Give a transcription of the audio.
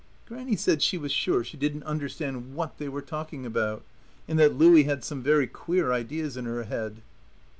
Grannie said she was sure she didn't understand what they were talking about and that Louie had some very queer ideas in her head.